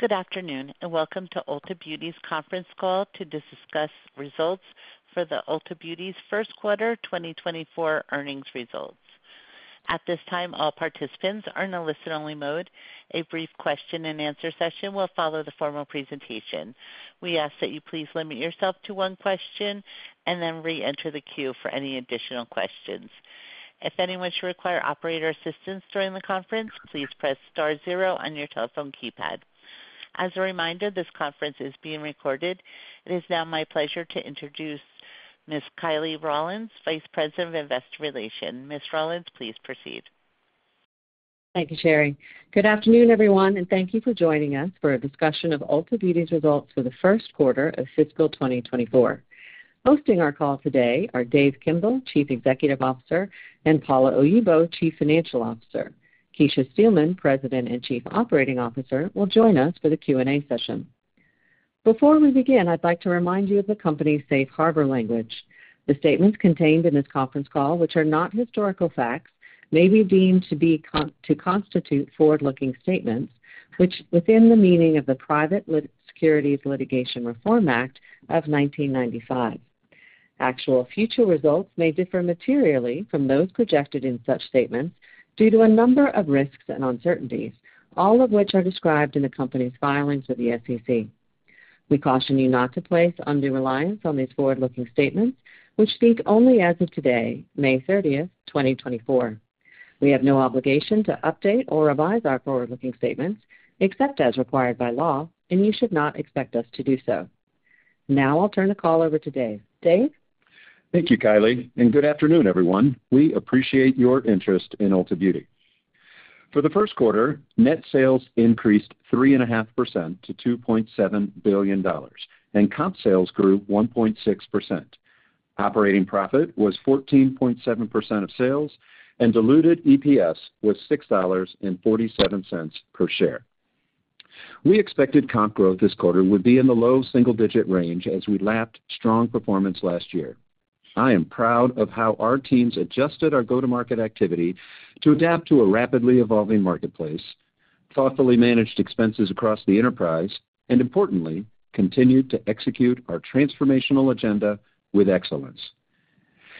Good afternoon, and welcome to Ulta Beauty's conference call to discuss results for the Ulta Beauty's first quarter, 2024 earnings results. At this time, all participants are in a listen-only mode. A brief question-and-answer session will follow the formal presentation. We ask that you please limit yourself to one question, and then reenter the queue for any additional questions. If anyone should require operator assistance during the conference, please press star zero on your telephone keypad. As a reminder, this conference is being recorded. It is now my pleasure to introduce Ms. Kiley Rawlins, Vice President of Investor Relations. Ms. Rawlins, please proceed. Thank you, Sherry. Good afternoon, everyone, and thank you for joining us for a discussion of Ulta Beauty's results for the first quarter of fiscal 2024. Hosting our call today are Dave Kimbell, Chief Executive Officer, and Paula Oyibo, Chief Financial Officer. Kecia Steelman, President and Chief Operating Officer, will join us for the Q&A session. Before we begin, I'd like to remind you of the company's Safe Harbor language. The statements contained in this conference call, which are not historical facts, may be deemed to be to constitute forward-looking statements, which within the meaning of the Private Securities Litigation Reform Act of 1995. Actual future results may differ materially from those projected in such statements due to a number of risks and uncertainties, all of which are described in the company's filings with the SEC. We caution you not to place undue reliance on these forward-looking statements, which speak only as of today, May 30, 2024. We have no obligation to update or revise our forward-looking statements, except as required by law, and you should not expect us to do so. Now I'll turn the call over to Dave. Dave? Thank you, Kiley, and good afternoon, everyone. We appreciate your interest in Ulta Beauty. For the first quarter, net sales increased 3.5% to $2.7 billion, and comp sales grew 1.6%. Operating profit was 14.7% of sales, and diluted EPS was $6.47 per share. We expected comp growth this quarter would be in the low single-digit range as we lapped strong performance last year. I am proud of how our teams adjusted our go-to-market activity to adapt to a rapidly evolving marketplace, thoughtfully managed expenses across the enterprise, and importantly, continued to execute our transformational agenda with excellence.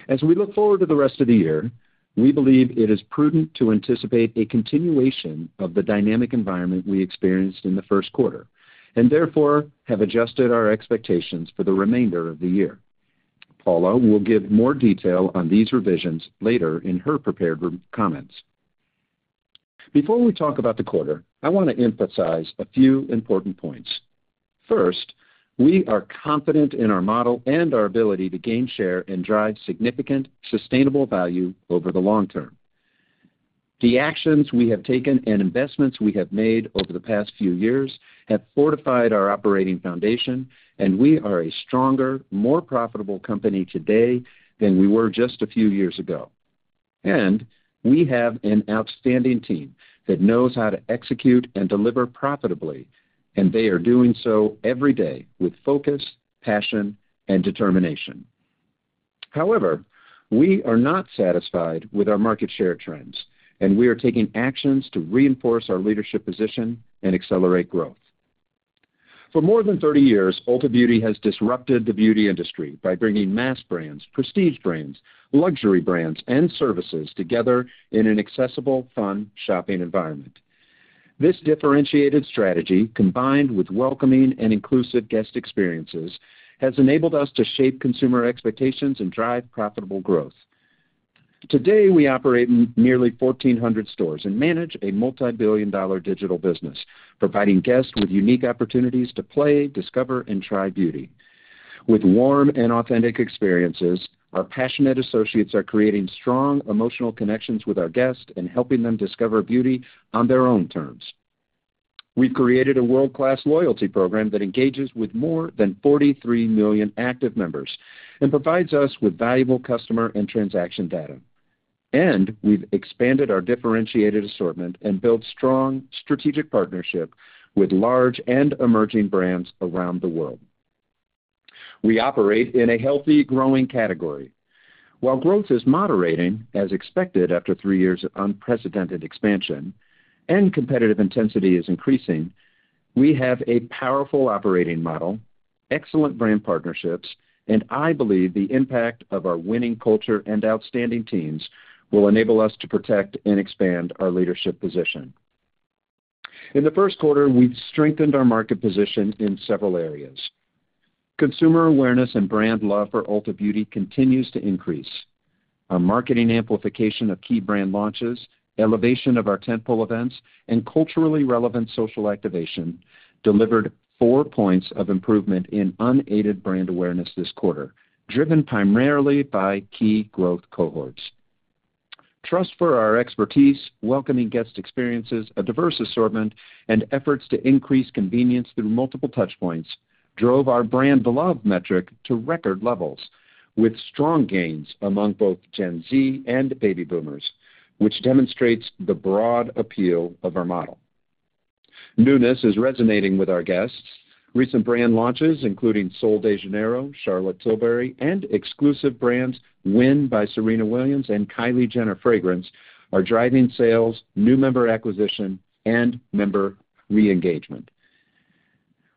As we look forward to the rest of the year, we believe it is prudent to anticipate a continuation of the dynamic environment we experienced in the first quarter, and therefore, have adjusted our expectations for the remainder of the year. Paula will give more detail on these revisions later in her prepared remarks. Before we talk about the quarter, I want to emphasize a few important points. First, we are confident in our model and our ability to gain share and drive significant, sustainable value over the long term. The actions we have taken and investments we have made over the past few years have fortified our operating foundation, and we are a stronger, more profitable company today than we were just a few years ago. We have an outstanding team that knows how to execute and deliver profitably, and they are doing so every day with focus, passion, and determination. However, we are not satisfied with our market share trends, and we are taking actions to reinforce our leadership position and accelerate growth. For more than 30 years, Ulta Beauty has disrupted the beauty industry by bringing mass brands, prestige brands, luxury brands, and services together in an accessible, fun shopping environment. This differentiated strategy, combined with welcoming and inclusive guest experiences, has enabled us to shape consumer expectations and drive profitable growth. Today, we operate nearly 1,400 stores and manage a multibillion-dollar digital business, providing guests with unique opportunities to play, discover, and try beauty. With warm and authentic experiences, our passionate associates are creating strong emotional connections with our guests and helping them discover beauty on their own terms. We've created a world-class loyalty program that engages with more than 43 million active members and provides us with valuable customer and transaction data. We've expanded our differentiated assortment and built strong strategic partnership with large and emerging brands around the world. We operate in a healthy, growing category. While growth is moderating, as expected, after 3 years of unprecedented expansion and competitive intensity is increasing, we have a powerful operating model, excellent brand partnerships, and I believe the impact of our winning culture and outstanding teams will enable us to protect and expand our leadership position. In the first quarter, we've strengthened our market position in several areas. Consumer awareness and brand love for Ulta Beauty continues to increase. Our marketing amplification of key brand launches, elevation of our tentpole events, and culturally relevant social activation delivered four points of improvement in unaided brand awareness this quarter, driven primarily by key growth cohorts. Trust for our expertise, welcoming guest experiences, a diverse assortment, and efforts to increase convenience through multiple touchpoints drove our brand beloved metric to record levels, with strong gains among both Gen Z and baby boomers, which demonstrates the broad appeal of our model. Newness is resonating with our guests.... Recent brand launches, including Sol de Janeiro, Charlotte Tilbury, and exclusive brands, WYN by Serena Williams and Kylie Jenner Fragrance, are driving sales, new member acquisition, and member re-engagement.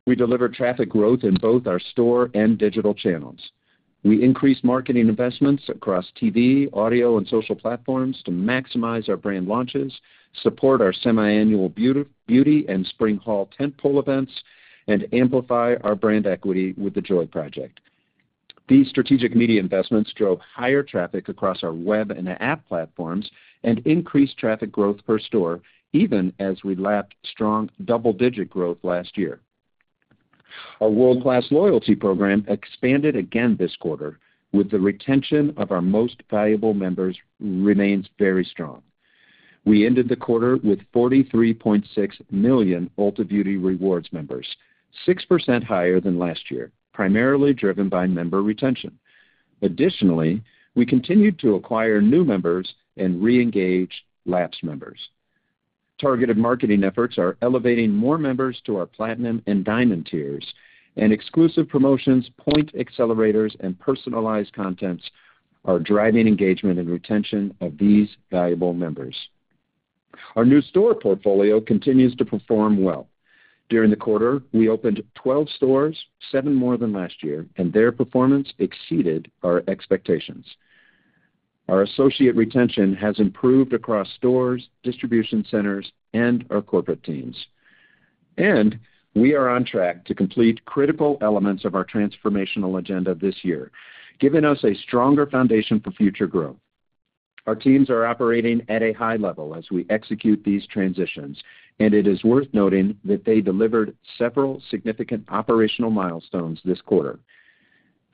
We delivered traffic growth in both our store and digital channels. We increased marketing investments across TV, audio, and social platforms to maximize our brand launches, support our Semi-Annual Beauty and Spring Haul tentpole events, and amplify our brand equity with The Joy Project. These strategic media investments drove higher traffic across our web and app platforms and increased traffic growth per store, even as we lapped strong double-digit growth last year. Our world-class loyalty program expanded again this quarter, with the retention of our most valuable members remains very strong. We ended the quarter with 43.6 million Ulta Beauty Rewards members, 6% higher than last year, primarily driven by member retention. Additionally, we continued to acquire new members and reengage lapsed members. Targeted marketing efforts are elevating more members to our Platinum and Diamond tiers, and exclusive promotions, point accelerators, and personalized contents are driving engagement and retention of these valuable members. Our new store portfolio continues to perform well. During the quarter, we opened 12 stores, 7 more than last year, and their performance exceeded our expectations. Our associate retention has improved across stores, distribution centers, and our corporate teams. And we are on track to complete critical elements of our transformational agenda this year, giving us a stronger foundation for future growth. Our teams are operating at a high level as we execute these transitions, and it is worth noting that they delivered several significant operational milestones this quarter.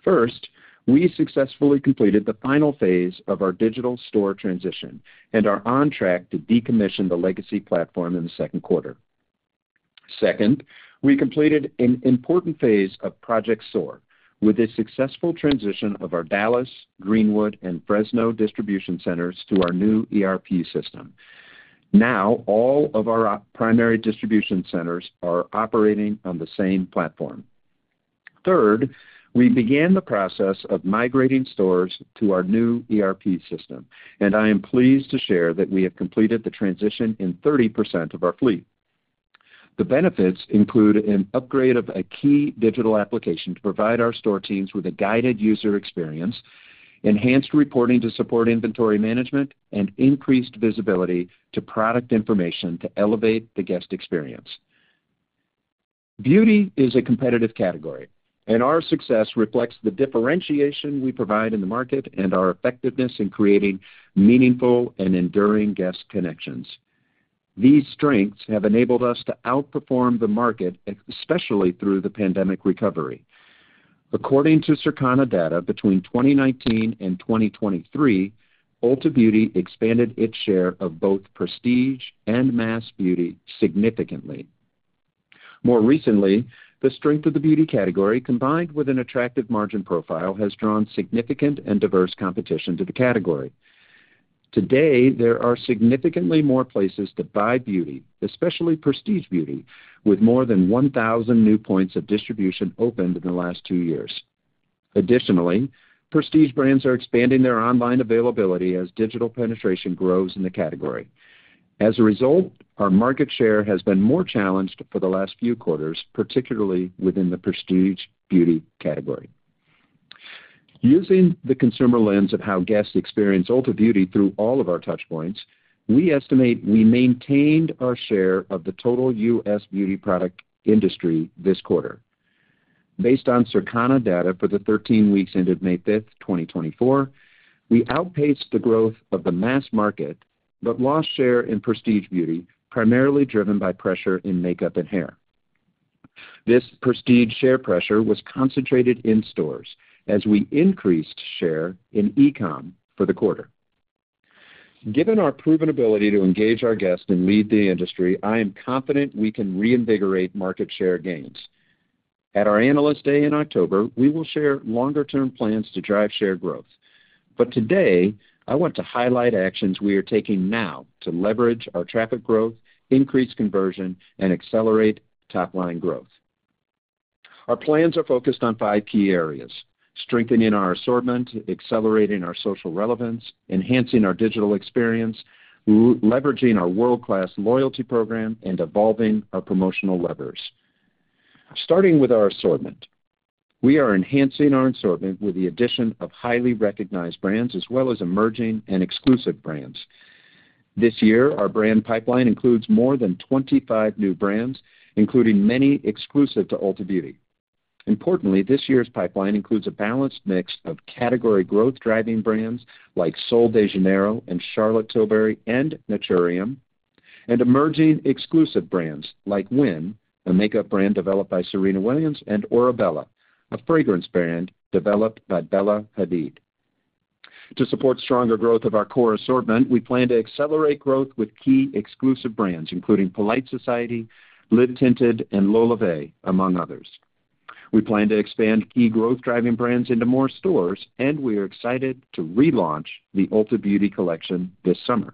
First, we successfully completed the final phase of our digital store transition and are on track to decommission the legacy platform in the second quarter. Second, we completed an important phase of Project SOAR with a successful transition of our Dallas, Greenwood, and Fresno distribution centers to our new ERP system. Now, all of our primary distribution centers are operating on the same platform. Third, we began the process of migrating stores to our new ERP system, and I am pleased to share that we have completed the transition in 30% of our fleet. The benefits include an upgrade of a key digital application to provide our store teams with a guided user experience, enhanced reporting to support inventory management, and increased visibility to product information to elevate the guest experience. Beauty is a competitive category, and our success reflects the differentiation we provide in the market and our effectiveness in creating meaningful and enduring guest connections. These strengths have enabled us to outperform the market, especially through the pandemic recovery. According to Circana data, between 2019 and 2023, Ulta Beauty expanded its share of both prestige and mass beauty significantly. More recently, the strength of the beauty category, combined with an attractive margin profile, has drawn significant and diverse competition to the category. Today, there are significantly more places to buy beauty, especially prestige beauty, with more than 1,000 new points of distribution opened in the last 2 years. Additionally, prestige brands are expanding their online availability as digital penetration grows in the category. As a result, our market share has been more challenged for the last few quarters, particularly within the prestige beauty category. Using the consumer lens of how guests experience Ulta Beauty through all of our touch points, we estimate we maintained our share of the total U.S. beauty product industry this quarter. Based on Circana data for the 13 weeks ended May 5, 2024, we outpaced the growth of the mass market, but lost share in prestige beauty, primarily driven by pressure in makeup and hair. This prestige share pressure was concentrated in stores as we increased share in e-com for the quarter. Given our proven ability to engage our guests and lead the industry, I am confident we can reinvigorate market share gains. At our Analyst Day in October, we will share longer-term plans to drive share growth. But today, I want to highlight actions we are taking now to leverage our traffic growth, increase conversion, and accelerate top-line growth. Our plans are focused on 5 key areas: strengthening our assortment, accelerating our social relevance, enhancing our digital experience, leveraging our world-class loyalty program, and evolving our promotional levers. Starting with our assortment, we are enhancing our assortment with the addition of highly recognized brands, as well as emerging and exclusive brands. This year, our brand pipeline includes more than 25 new brands, including many exclusive to Ulta Beauty. Importantly, this year's pipeline includes a balanced mix of category growth-driving brands like Sol de Janeiro and Charlotte Tilbury and Naturium, and emerging exclusive brands like WYN, a makeup brand developed by Serena Williams, and Orebella, a fragrance brand developed by Bella Hadid. To support stronger growth of our core assortment, we plan to accelerate growth with key exclusive brands, including Polite Society, Live Tinted, and LolaVie, among others. We plan to expand key growth-driving brands into more stores, and we are excited to relaunch the Ulta Beauty Collection this summer.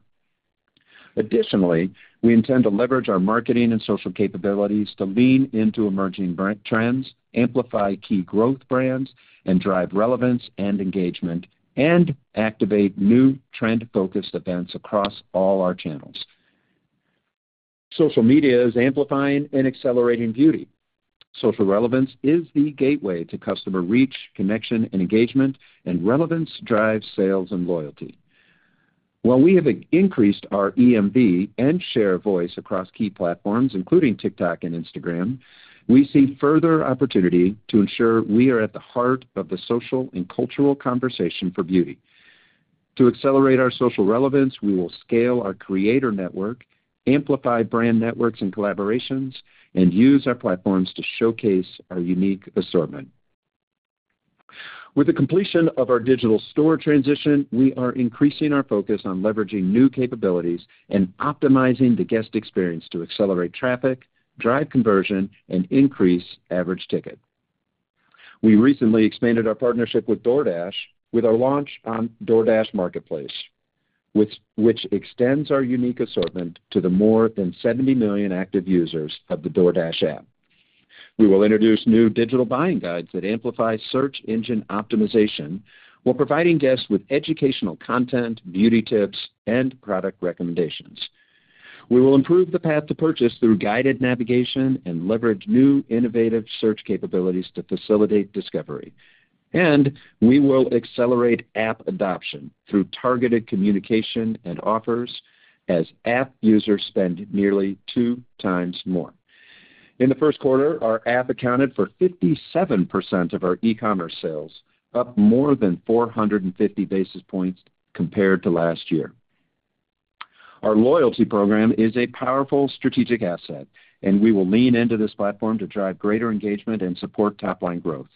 Additionally, we intend to leverage our marketing and social capabilities to lean into emerging brand trends, amplify key growth brands, and drive relevance and engagement, and activate new trend-focused events across all our channels. Social media is amplifying and accelerating beauty. Social relevance is the gateway to customer reach, connection, and engagement, and relevance drives sales and loyalty. While we have increased our EMV and share voice across key platforms, including TikTok and Instagram, we see further opportunity to ensure we are at the heart of the social and cultural conversation for beauty. To accelerate our social relevance, we will scale our creator network, amplify brand networks and collaborations, and use our platforms to showcase our unique assortment. With the completion of our digital store transition, we are increasing our focus on leveraging new capabilities and optimizing the guest experience to accelerate traffic, drive conversion, and increase average ticket. We recently expanded our partnership with DoorDash, with our launch on DoorDash Marketplace, which extends our unique assortment to the more than 70 million active users of the DoorDash app. We will introduce new digital buying guides that amplify search engine optimization, while providing guests with educational content, beauty tips, and product recommendations. We will improve the path to purchase through guided navigation and leverage new innovative search capabilities to facilitate discovery. We will accelerate app adoption through targeted communication and offers, as app users spend nearly 2 times more. In the first quarter, our app accounted for 57% of our e-commerce sales, up more than 450 basis points compared to last year. Our loyalty program is a powerful strategic asset, and we will lean into this platform to drive greater engagement and support top line growth.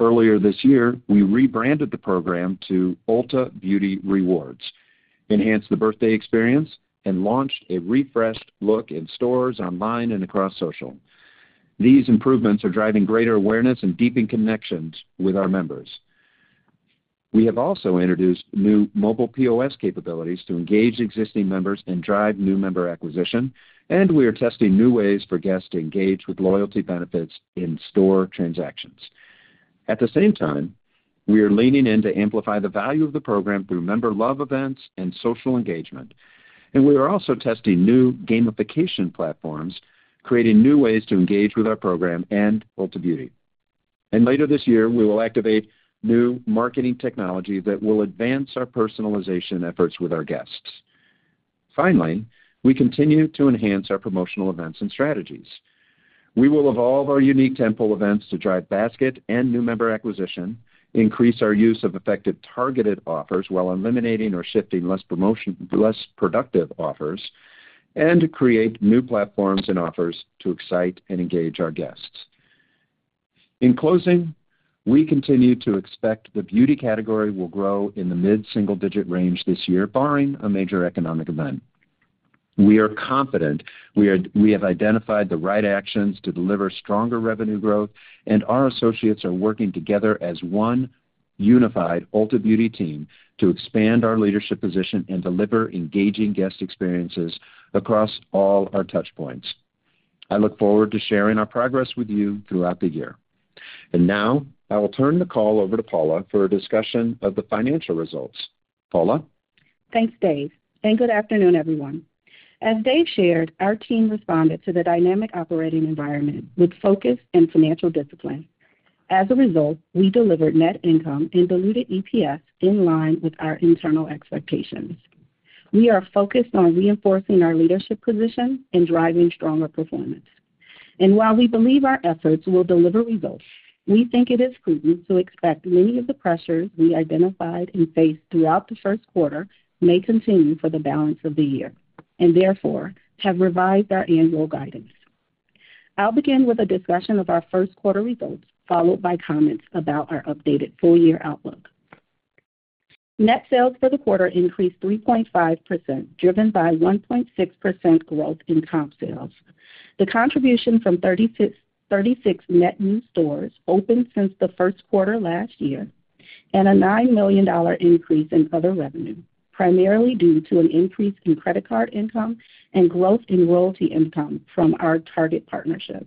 Earlier this year, we rebranded the program to Ulta Beauty Rewards, enhanced the birthday experience, and launched a refreshed look in stores, online, and across social. These improvements are driving greater awareness and deepening connections with our members. We have also introduced new mobile POS capabilities to engage existing members and drive new member acquisition, and we are testing new ways for guests to engage with loyalty benefits in store transactions. At the same time, we are leaning in to amplify the value of the program through Member Love events and social engagement, and we are also testing new gamification platforms, creating new ways to engage with our program and Ulta Beauty. Later this year, we will activate new marketing technology that will advance our personalization efforts with our guests. Finally, we continue to enhance our promotional events and strategies. We will evolve our unique tentpole events to drive basket and new member acquisition, increase our use of effective targeted offers, while eliminating or shifting less productive offers, and to create new platforms and offers to excite and engage our guests. In closing, we continue to expect the beauty category will grow in the mid-single digit range this year, barring a major economic event. We are confident we have identified the right actions to deliver stronger revenue growth, and our associates are working together as one unified Ulta Beauty team to expand our leadership position and deliver engaging guest experiences across all our touch points. I look forward to sharing our progress with you throughout the year. And now, I will turn the call over to Paula for a discussion of the financial results. Paula? Thanks, Dave, and good afternoon, everyone. As Dave shared, our team responded to the dynamic operating environment with focus and financial discipline. As a result, we delivered net income and diluted EPS in line with our internal expectations. We are focused on reinforcing our leadership position and driving stronger performance. And while we believe our efforts will deliver results, we think it is prudent to expect many of the pressures we identified and faced throughout the first quarter may continue for the balance of the year, and therefore, have revised our annual guidance. I'll begin with a discussion of our first quarter results, followed by comments about our updated full year outlook. Net sales for the quarter increased 3.5%, driven by 1.6% growth in comp sales. The contribution from 36, 36 net new stores opened since the first quarter last year, and a $9 million dollar increase in other revenue, primarily due to an increase in credit card income and growth in royalty income from our Target partnership.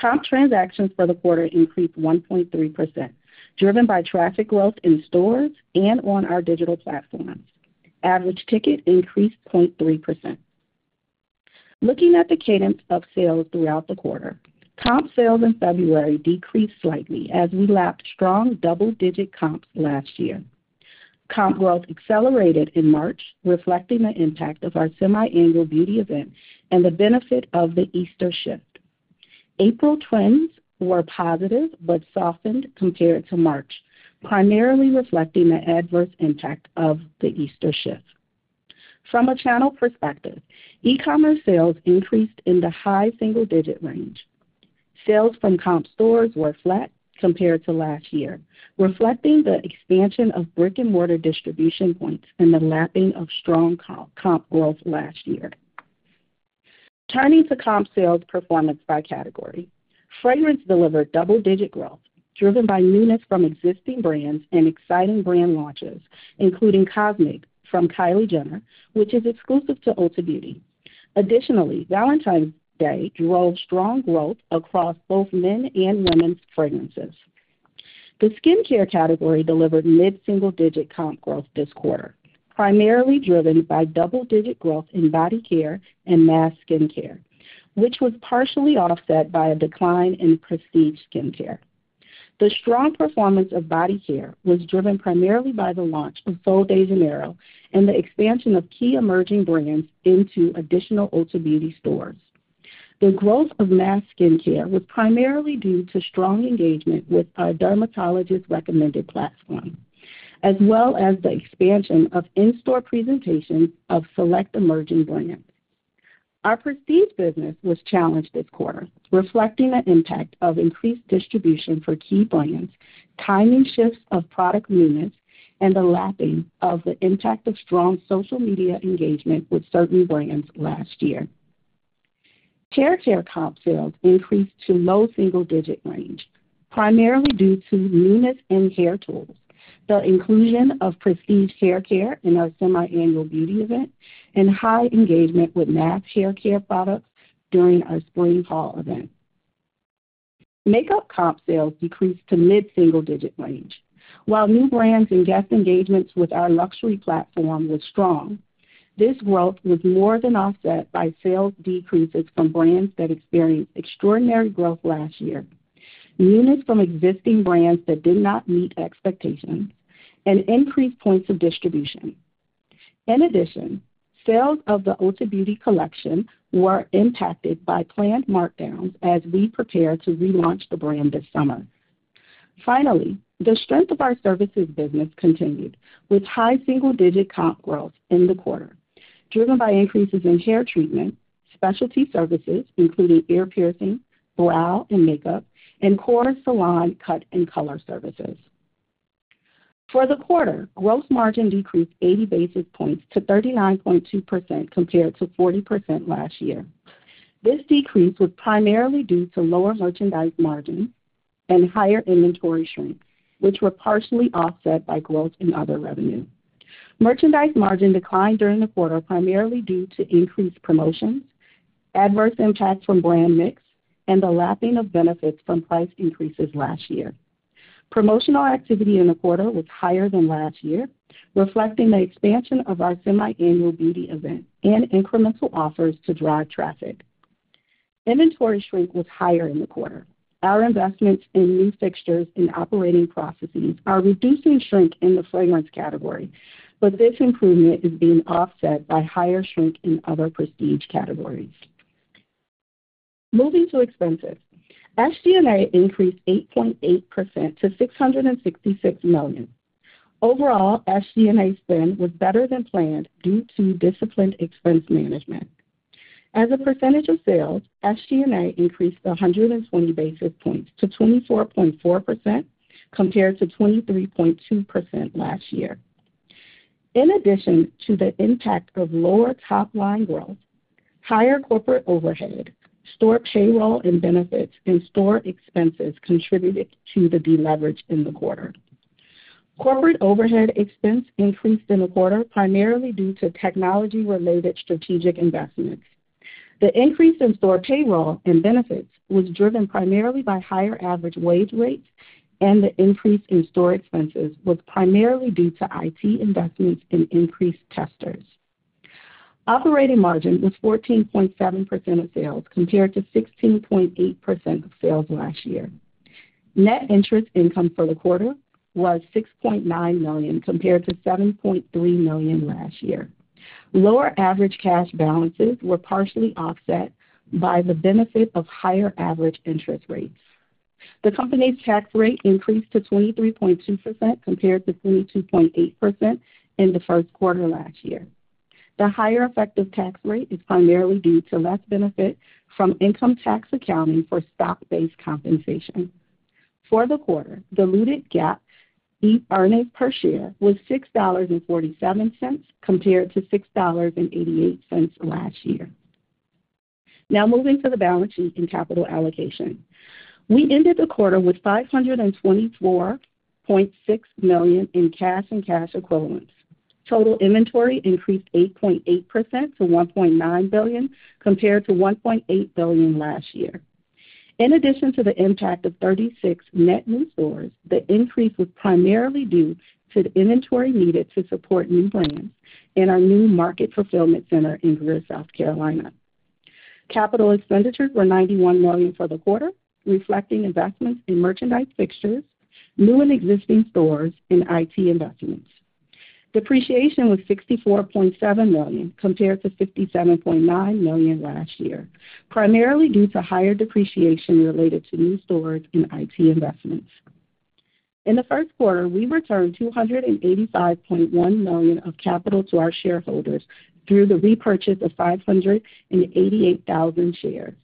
Comp transactions for the quarter increased 1.3%, driven by traffic growth in stores and on our digital platforms. Average ticket increased 0.3%. Looking at the cadence of sales throughout the quarter, comp sales in February decreased slightly as we lapped strong double-digit comps last year. Comp growth accelerated in March, reflecting the impact of our Semi-Annual Beauty Event and the benefit of the Easter shift. April trends were positive but softened compared to March, primarily reflecting the adverse impact of the Easter shift. From a channel perspective, e-commerce sales increased in the high single digit range. Sales from comp stores were flat compared to last year, reflecting the expansion of brick-and-mortar distribution points and the lapping of strong comp, comp growth last year. Turning to comp sales performance by category. Fragrance delivered double-digit growth, driven by newness from existing brands and exciting brand launches, including Cosmic from Kylie Jenner, which is exclusive to Ulta Beauty. Additionally, Valentine's Day drove strong growth across both men and women's fragrances. The skincare category delivered mid-single-digit comp growth this quarter, primarily driven by double-digit growth in body care and mass skincare, which was partially offset by a decline in prestige skincare. The strong performance of body care was driven primarily by the launch of Sol de Janeiro and the expansion of key emerging brands into additional Ulta Beauty stores. The growth of mass skincare was primarily due to strong engagement with our dermatologist-recommended platform, as well as the expansion of in-store presentation of select emerging brands. Our prestige business was challenged this quarter, reflecting the impact of increased distribution for key brands, timing shifts of product newness, and the lapping of the impact of strong social media engagement with certain brands last year. Hair care comp sales increased to low single-digit range, primarily due to newness in hair tools, the inclusion of prestige hair care in our Semi-Annual Beauty Event, and high engagement with mass hair care products during our Spring Haul Event. Makeup comp sales decreased to mid-single-digit range. While new brands and guest engagements with our luxury platform were strong, this growth was more than offset by sales decreases from brands that experienced extraordinary growth last year, newness from existing brands that did not meet expectations, and increased points of distribution. In addition, sales of the Ulta Beauty Collection were impacted by planned markdowns as we prepare to relaunch the brand this summer. Finally, the strength of our services business continued, with high single-digit comp growth in the quarter, driven by increases in hair treatment, specialty services, including ear piercing, brow and makeup, and core salon cut and color services. For the quarter, gross margin decreased 80 basis points to 39.2%, compared to 40% last year. This decrease was primarily due to lower merchandise margin and higher inventory shrink, which were partially offset by growth in other revenue. Merchandise margin declined during the quarter, primarily due to increased promotions, adverse impacts from brand mix, and the lapping of benefits from price increases last year. Promotional activity in the quarter was higher than last year, reflecting the expansion of our Semi-Annual Beauty Event and incremental offers to drive traffic. Inventory shrink was higher in the quarter. Our investments in new fixtures and operating processes are reducing shrink in the fragrance category, but this improvement is being offset by higher shrink in other prestige categories. Moving to expenses, SG&A increased 8.8% to $666 million. Overall, SG&A spend was better than planned due to disciplined expense management. As a percentage of sales, SG&A increased 120 basis points to 24.4%, compared to 23.2% last year. In addition to the impact of lower top-line growth, higher corporate overhead, store payroll and benefits, and store expenses contributed to the deleverage in the quarter. Corporate overhead expense increased in the quarter, primarily due to technology-related strategic investments. The increase in store payroll and benefits was driven primarily by higher average wage rates, and the increase in store expenses was primarily due to IT investments and increased testers. Operating margin was 14.7% of sales, compared to 16.8% of sales last year. Net interest income for the quarter was $6.9 million, compared to $7.3 million last year. Lower average cash balances were partially offset by the benefit of higher average interest rates. The company's tax rate increased to 23.2%, compared to 22.8% in the first quarter last year. The higher effective tax rate is primarily due to less benefit from income tax accounting for stock-based compensation. For the quarter, diluted GAAP earnings per share was $6.47, compared to $6.88 last year. Now moving to the balance sheet and capital allocation. We ended the quarter with $524.6 million in cash and cash equivalents. Total inventory increased 8.8% to $1.9 billion, compared to $1.8 billion last year. In addition to the impact of 36 net new stores, the increase was primarily due to the inventory needed to support new brands and our new market fulfillment center in Greer, South Carolina. Capital expenditures were $91 million for the quarter, reflecting investments in merchandise fixtures, new and existing stores, and IT investments. Depreciation was $64.7 million, compared to $57.9 million last year, primarily due to higher depreciation related to new stores and IT investments. In the first quarter, we returned $285.1 million of capital to our shareholders through the repurchase of 588,000 shares.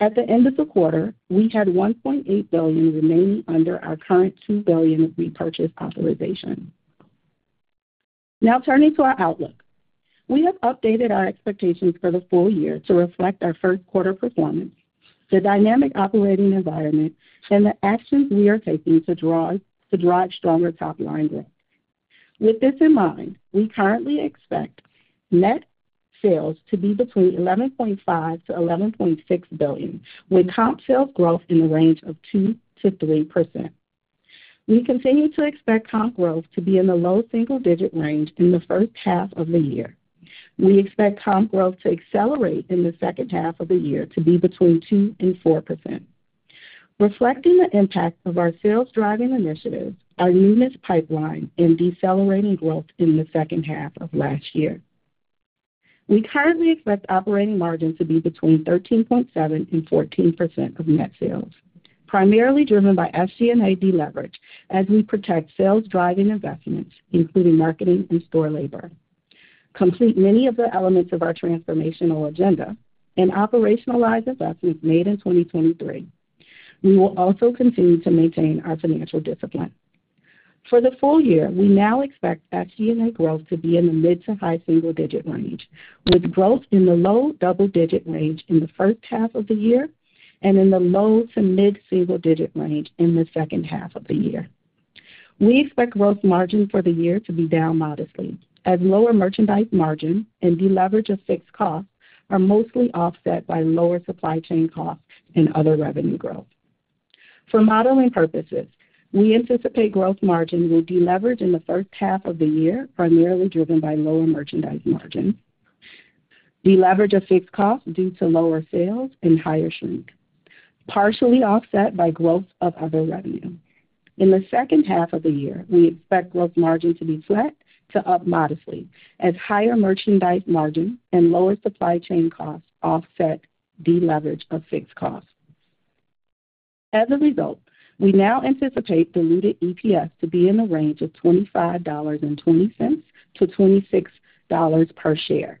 At the end of the quarter, we had $1.8 billion remaining under our current $2 billion repurchase authorization. Now turning to our outlook. We have updated our expectations for the full year to reflect our first quarter performance, the dynamic operating environment, and the actions we are taking to drive, to drive stronger top-line growth. With this in mind, we currently expect net sales to be between $11.5-$11.6 billion, with comp sales growth in the range of 2%-3%. We continue to expect comp growth to be in the low single-digit range in the first half of the year. We expect comp growth to accelerate in the second half of the year to be between 2% and 4%, reflecting the impact of our sales-driving initiatives, our newness pipeline, and decelerating growth in the second half of last year. We currently expect operating margin to be between 13.7% and 14% of net sales, primarily driven by fixed cost deleverage, as we protect sales-driving investments, including marketing and store labor, complete many of the elements of our transformational agenda, and operationalize investments made in 2023. We will also continue to maintain our financial discipline. For the full year, we now expect SG&A growth to be in the mid- to high single-digit range, with growth in the low double-digit range in the first half of the year and in the low- to mid-single-digit range in the second half of the year. We expect gross margin for the year to be down modestly, as lower merchandise margin and deleverage of fixed costs are mostly offset by lower supply chain costs and other revenue growth. For modeling purposes, we anticipate gross margin will deleverage in the first half of the year, primarily driven by lower merchandise margin, deleverage of fixed costs due to lower sales and higher shrink, partially offset by growth of other revenue. In the second half of the year, we expect gross margin to be flat to up modestly, as higher merchandise margin and lower supply chain costs offset deleverage of fixed costs. As a result, we now anticipate diluted EPS to be in the range of $25.20-$26 per share.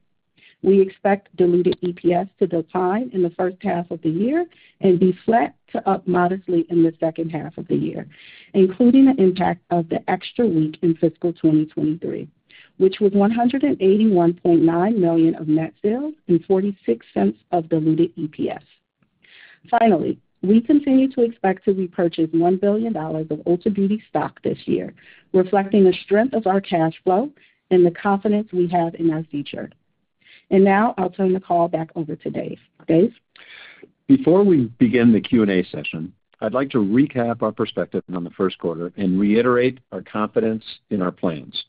We expect diluted EPS to decline in the first half of the year and be flat to up modestly in the second half of the year, including the impact of the extra week in fiscal 2023, which was $181.9 million of net sales and 46 cents of diluted EPS. Finally, we continue to expect to repurchase $1 billion of Ulta Beauty stock this year, reflecting the strength of our cash flow and the confidence we have in our future. And now I'll turn the call back over to Dave. Dave? Before we begin the Q&A session, I'd like to recap our perspective on the first quarter and reiterate our confidence in our plans.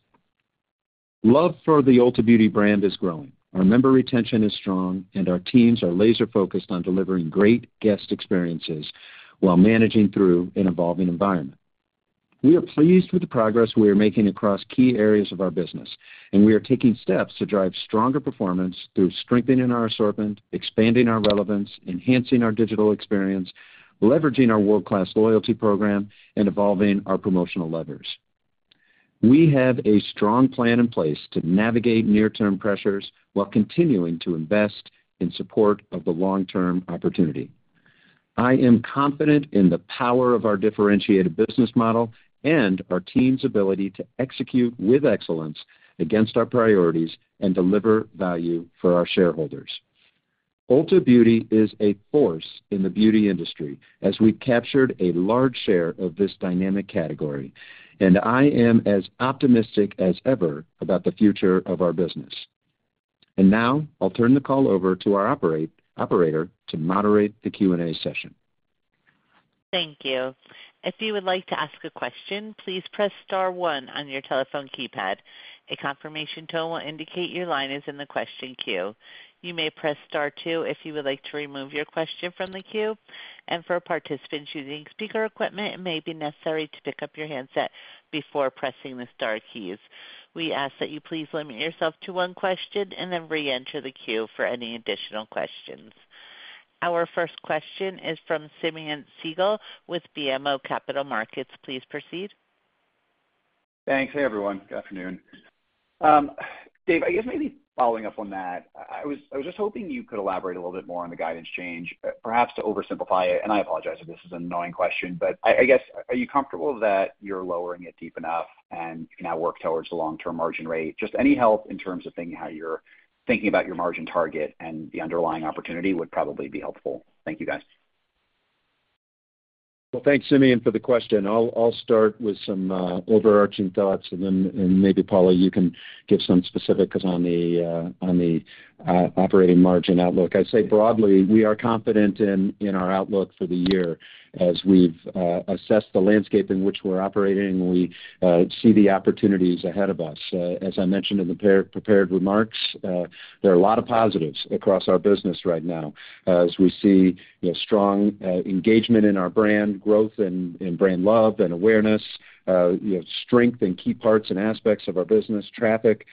Love for the Ulta Beauty brand is growing. Our member retention is strong, and our teams are laser-focused on delivering great guest experiences while managing through an evolving environment. We are pleased with the progress we are making across key areas of our business, and we are taking steps to drive stronger performance through strengthening our assortment, expanding our relevance, enhancing our digital experience, leveraging our world-class loyalty program, and evolving our promotional levers. We have a strong plan in place to navigate near-term pressures while continuing to invest in support of the long-term opportunity. I am confident in the power of our differentiated business model and our team's ability to execute with excellence against our priorities and deliver value for our shareholders. Ulta Beauty is a force in the beauty industry as we've captured a large share of this dynamic category, and I am as optimistic as ever about the future of our business. Now I'll turn the call over to our operator to moderate the Q&A session. Thank you. If you would like to ask a question, please press star one on your telephone keypad. A confirmation tone will indicate your line is in the question queue. You may press star two if you would like to remove your question from the queue, and for participants using speaker equipment, it may be necessary to pick up your handset before pressing the star keys. We ask that you please limit yourself to one question and then reenter the queue for any additional questions. Our first question is from Simeon Siegel with BMO Capital Markets. Please proceed. Thanks. Hey, everyone. Good afternoon. Dave, I guess maybe following up on that, I was just hoping you could elaborate a little bit more on the guidance change. Perhaps to oversimplify it, and I apologize if this is an annoying question, but I guess, are you comfortable that you're lowering it deep enough and can now work towards the long-term margin rate? Just any help in terms of thinking how you're thinking about your margin target and the underlying opportunity would probably be helpful. Thank you, guys. Well, thanks, Simeon, for the question. I'll start with some overarching thoughts and then maybe, Paula, you can give some specifics on the operating margin outlook. I'd say broadly, we are confident in our outlook for the year. As we've assessed the landscape in which we're operating, we see the opportunities ahead of us. As I mentioned in the prepared remarks, there are a lot of positives across our business right now as we see, you know, strong engagement in our brand, growth in brand love and awareness, you know, strength in key parts and aspects of our business, traffic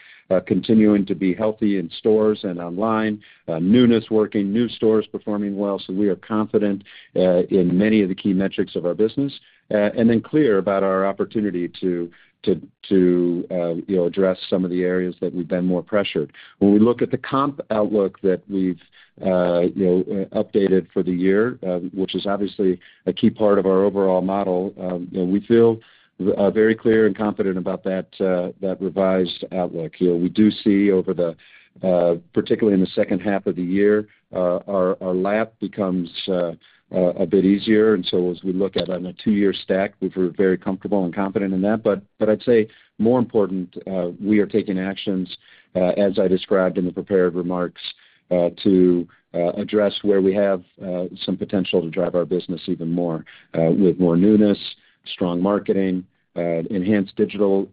continuing to be healthy in stores and online, newness working, new stores performing well. So we are confident in many of the key metrics of our business and then clear about our opportunity to, you know, address some of the areas that we've been more pressured. When we look at the comp outlook that we've, you know, updated for the year, which is obviously a key part of our overall model, you know, we feel very clear and confident about that, that revised outlook. You know, we do see over the, particularly in the second half of the year, our lap becomes a bit easier, and so as we look at on a two-year stack, we feel very comfortable and confident in that. But I'd say more important, we are taking actions as I described in the prepared remarks. to address where we have some potential to drive our business even more with more newness, strong marketing, enhanced digital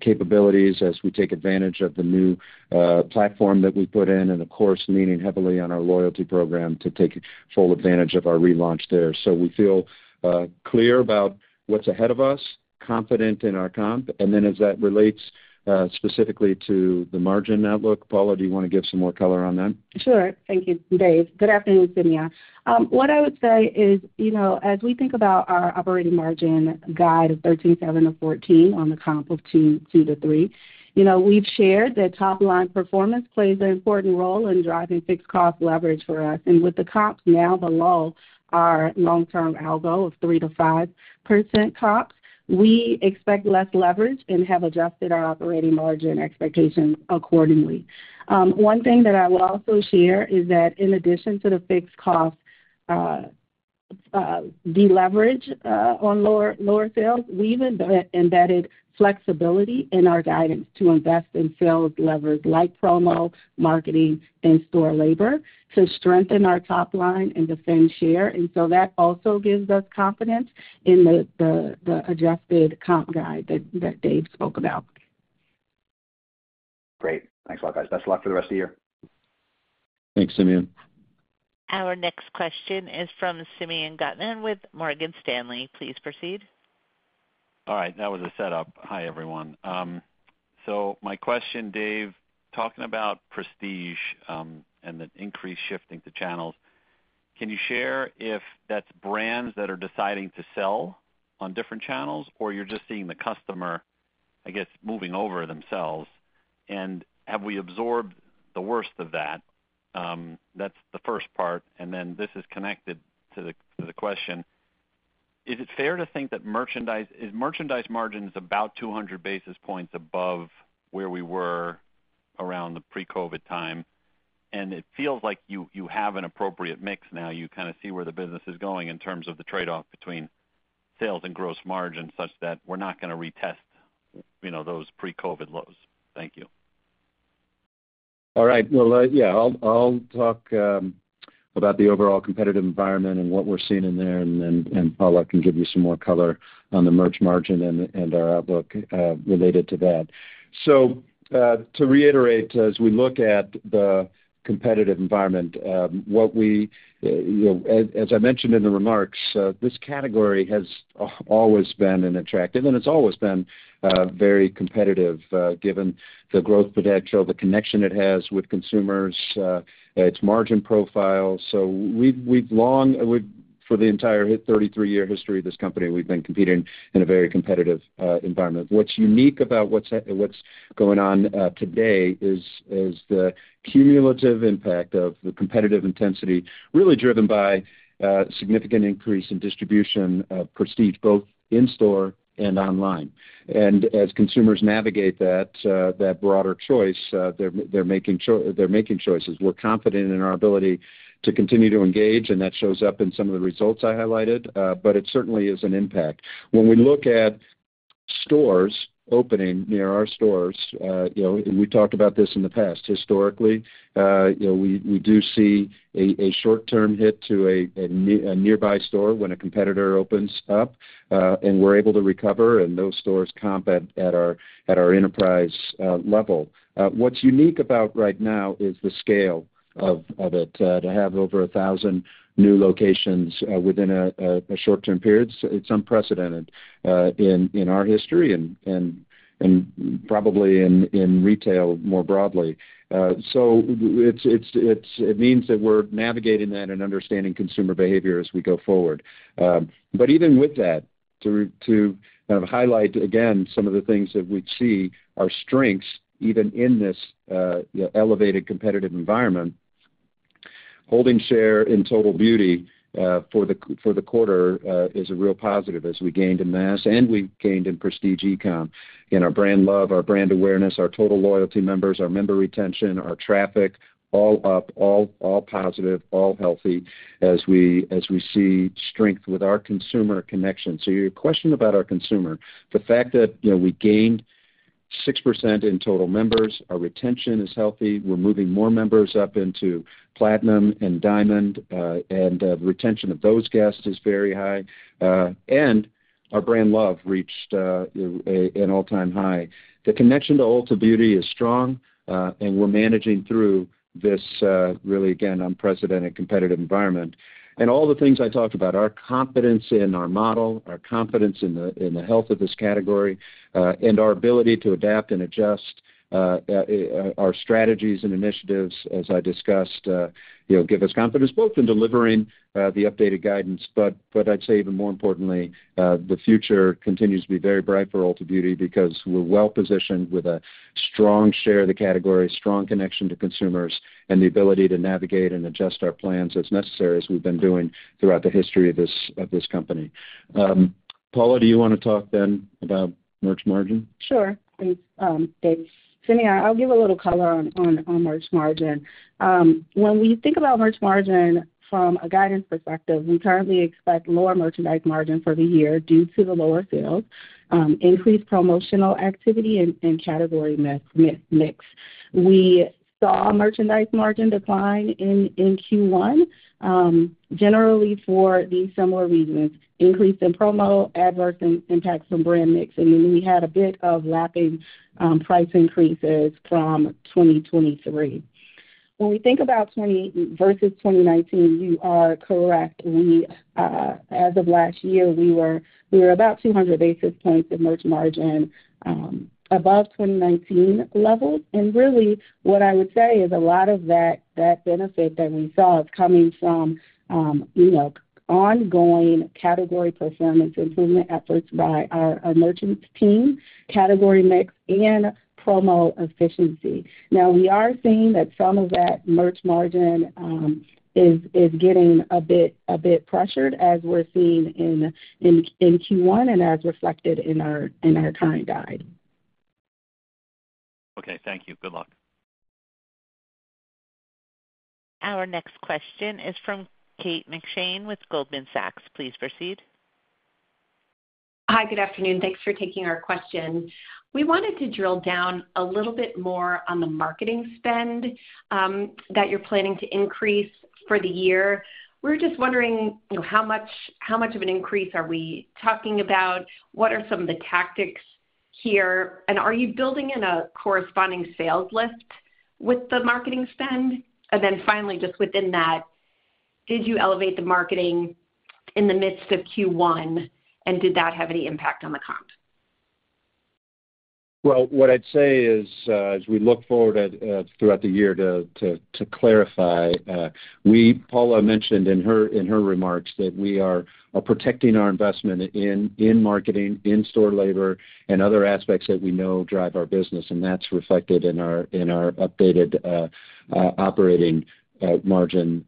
capabilities as we take advantage of the new platform that we put in, and of course, leaning heavily on our loyalty program to take full advantage of our relaunch there. So we feel clear about what's ahead of us, confident in our comp, and then as that relates specifically to the margin outlook, Paula, do you want to give some more color on that? Sure. Thank you, Dave. Good afternoon, Simeon. What I would say is, you know, as we think about our operating margin guide of 13.7-14 on the comp of 2.2-3, you know, we've shared that top line performance plays an important role in driving fixed cost leverage for us. With the comps now below our long-term algo of 3%-5% comps, we expect less leverage and have adjusted our operating margin expectations accordingly. One thing that I will also share is that in addition to the fixed cost deleverage on lower sales, we've embedded flexibility in our guidance to invest in sales levers like promo, marketing, and store labor to strengthen our top line and defend share. So that also gives us confidence in the adjusted comp guide that Dave spoke about. Great. Thanks a lot, guys. Best of luck for the rest of the year. Thanks, Simeon. Our next question is from Simeon Gutman with Morgan Stanley. Please proceed. All right, that was a setup. Hi, everyone. So my question, Dave, talking about prestige, and the increase shifting to channels, can you share if that's brands that are deciding to sell on different channels, or you're just seeing the customer, I guess, moving over themselves? And have we absorbed the worst of that? That's the first part, and then this is connected to the question: Is it fair to think that merchandise margins about 200 basis points above where we were around the pre-COVID time? And it feels like you have an appropriate mix now. You kind of see where the business is going in terms of the trade-off between sales and gross margin, such that we're not going to retest, you know, those pre-COVID lows. Thank you. All right. Well, yeah, I'll talk about the overall competitive environment and what we're seeing in there, and then Paula can give you some more color on the merch margin and our outlook related to that. So, to reiterate, as we look at the competitive environment, what we, you know, as I mentioned in the remarks, this category has always been an attractive, and it's always been very competitive given the growth potential, the connection it has with consumers, its margin profile. So we've long... For the entire 33-year history of this company, we've been competing in a very competitive environment. What's unique about what's going on today is the cumulative impact of the competitive intensity, really driven by significant increase in distribution of prestige, both in store and online. As consumers navigate that broader choice, they're making choices. We're confident in our ability to continue to engage, and that shows up in some of the results I highlighted, but it certainly is an impact. When we look at stores opening near our stores, you know, and we talked about this in the past historically, you know, we do see a short-term hit to a nearby store when a competitor opens up, and we're able to recover, and those stores comp at our enterprise level. What's unique about right now is the scale of it. To have over 1,000 new locations within a short-term period, it's unprecedented in our history and probably in retail, more broadly. So it's it means that we're navigating that and understanding consumer behavior as we go forward. But even with that, to kind of highlight, again, some of the things that we see, our strengths, even in this elevated competitive environment, holding share in total beauty for the quarter is a real positive as we gained in mass, and we gained in prestige e-com. And our brand love, our brand awareness, our total loyalty members, our member retention, our traffic, all up, all positive, all healthy as we see strength with our consumer connection. So your question about our consumer, the fact that, you know, we gained 6% in total members, our retention is healthy, we're moving more members up into Platinum and Diamond, and retention of those guests is very high, and our brand love reached an all-time high. The connection to Ulta Beauty is strong, and we're managing through this, really, again, unprecedented competitive environment. And all the things I talked about, our confidence in our model, our confidence in the health of this category, and our ability to adapt and adjust our strategies and initiatives, as I discussed, you know, give us confidence both in delivering the updated guidance. But I'd say even more importantly, the future continues to be very bright for Ulta Beauty because we're well-positioned with a strong share of the category, strong connection to consumers, and the ability to navigate and adjust our plans as necessary, as we've been doing throughout the history of this company. Paula, do you want to talk then about merch margin? Sure, Dave. So yeah, I'll give a little color on merch margin. When we think about merch margin from a guidance perspective, we currently expect lower merchandise margin for the year due to the lower sales, increased promotional activity and category mix. We saw merchandise margin decline in Q1, generally for these similar reasons: increase in promo, adverse impacts from brand mix, and then we had a bit of lapping price increases from 2023. When we think about versus 2019, you are correct. We, as of last year, we were about 200 basis points in merch margin above 2019 levels. Really, what I would say is a lot of that benefit that we saw is coming from, you know, ongoing category performance improvement efforts by our merchants team, category mix, and promo efficiency. Now, we are seeing that some of that merch margin is getting a bit pressured as we're seeing in Q1 and as reflected in our current guide. Okay. Thank you. Good luck. Our next question is from Kate McShane with Goldman Sachs. Please proceed. Hi, good afternoon. Thanks for taking our question. We wanted to drill down a little bit more on the marketing spend, that you're planning to increase for the year. We're just wondering, you know, how much, how much of an increase are we talking about? What are some of the tactics here, and are you building in a corresponding sales lift with the marketing spend? And then finally, just within that, did you elevate the marketing in the midst of Q1, and did that have any impact on the comp? Well, what I'd say is, as we look forward throughout the year, to clarify, Paula mentioned in her remarks that we are protecting our investment in marketing, in store labor, and other aspects that we know drive our business, and that's reflected in our updated operating margin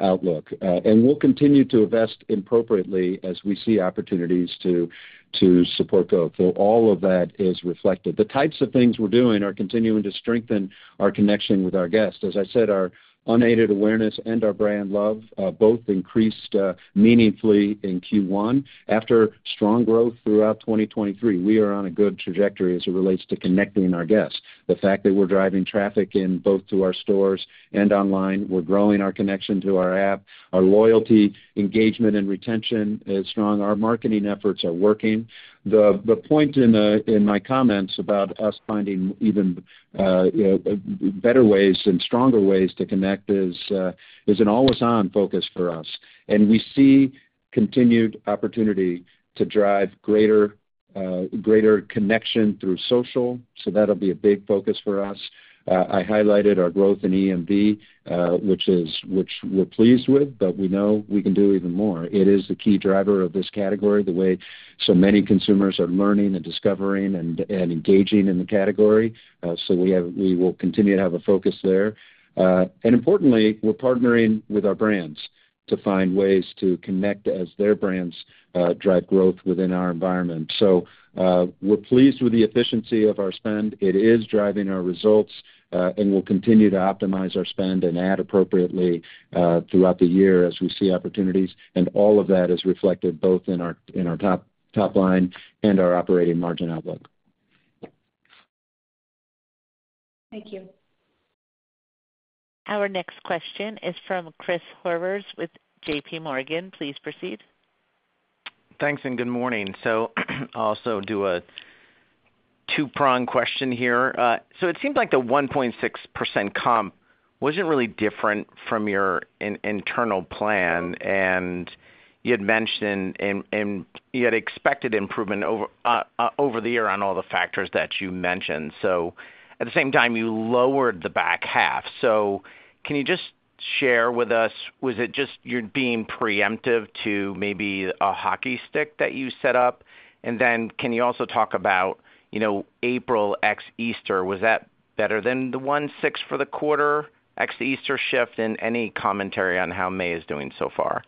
outlook. We'll continue to invest appropriately as we see opportunities to support growth. So all of that is reflected. The types of things we're doing are continuing to strengthen our connection with our guests. As I said, our unaided awareness and our brand love both increased meaningfully in Q1. After strong growth throughout 2023, we are on a good trajectory as it relates to connecting our guests. The fact that we're driving traffic in both to our stores and online, we're growing our connection to our app, our loyalty, engagement, and retention is strong. Our marketing efforts are working. The point in my comments about us finding even you know better ways and stronger ways to connect is an always-on focus for us. And we see continued opportunity to drive greater greater connection through social, so that'll be a big focus for us. I highlighted our growth in EMV, which we're pleased with, but we know we can do even more. It is the key driver of this category, the way so many consumers are learning and discovering and engaging in the category. So we will continue to have a focus there. And importantly, we're partnering with our brands to find ways to connect as their brands drive growth within our environment. So, we're pleased with the efficiency of our spend. It is driving our results, and we'll continue to optimize our spend and add appropriately throughout the year as we see opportunities. And all of that is reflected both in our, in our top, top line and our operating margin outlook. Thank you. Our next question is from Chris Horvers with J.P. Morgan. Please proceed. Thanks, and good morning. So I'll also do a two-prong question here. So it seemed like the 1.6% comp wasn't really different from your internal plan, and you had mentioned, and you had expected improvement over the year on all the factors that you mentioned. So at the same time, you lowered the back half. So can you just share with us, was it just you're being preemptive to maybe a hockey stick that you set up? And then can you also talk about, you know, April ex Easter, was that better than the 1.6 for the quarter, ex the Easter shift, and any commentary on how May is doing so far?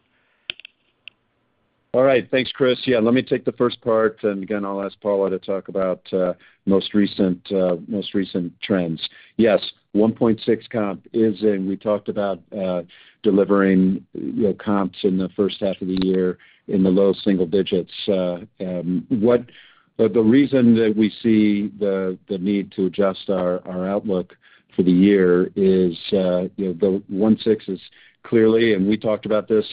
All right. Thanks, Chris. Yeah, let me take the first part, and again, I'll ask Paula to talk about most recent trends. Yes, 1.6 comp is in. We talked about delivering, you know, comps in the first half of the year in the low single digits. But the reason that we see the need to adjust our outlook for the year is, you know, the 1.6 is clearly, and we talked about this